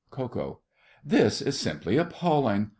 KO. This is simply appalling!